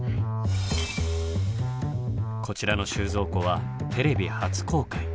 こちらの収蔵庫はテレビ初公開。